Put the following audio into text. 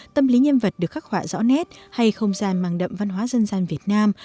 tâm lý nhân vật được khắc họa rõ nét hay không gian mang đậm văn hóa dân gian việt nam